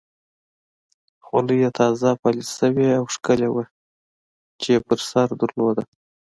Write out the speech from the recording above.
خولۍ یې تازه پالش شوې او ښکلې وه چې یې پر سر درلوده.